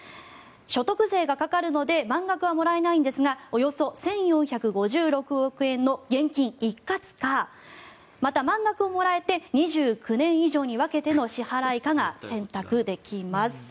所得税がかかるので満額はもらえないんですがおよそ１４５６億円の現金一括かまた、満額をもらえて２９年以上に分けての支払いかが選択できます。